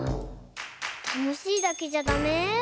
たのしいだけじゃダメ？